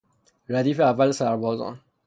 ردیف اول سربازان